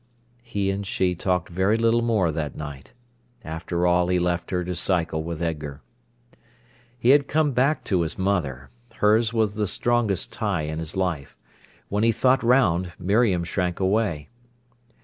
He and she talked very little more that night. After all he left her to cycle with Edgar. He had come back to his mother. Hers was the strongest tie in his life. When he thought round, Miriam shrank away.